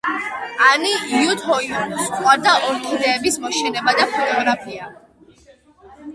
ანი იუდჰოიონოს უყვარდა ორქიდეების მოშენება და ფოტოგრაფია.